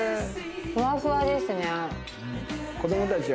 ふわふわですね。